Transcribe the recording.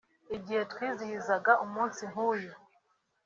“Igihe twizihizaga umunsi nk’uyu